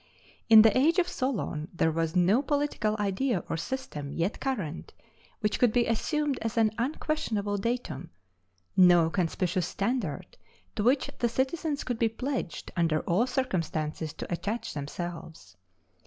In the age of Solon there was no political idea or system yet current which could be assumed as an unquestionable datum no conspicuous standard to which the citizens could be pledged under all circumstances to attach themselves.